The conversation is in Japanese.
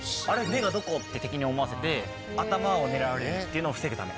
目がどこ？って敵に思わせて頭を狙われるっていうのを防ぐため。